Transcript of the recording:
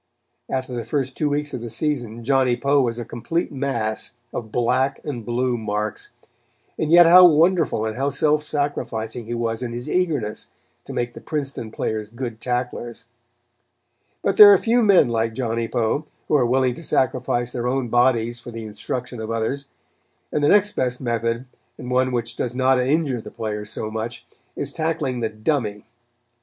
After the first two weeks of the season, Johnny Poe was a complete mass of black and blue marks; and yet how wonderful and how self sacrificing he was in his eagerness to make the Princeton players good tacklers. But there are few men like Johnny Poe, who are willing to sacrifice their own bodies for the instruction of others; and the next best method, and one which does not injure the players so much, is tackling the "dummy."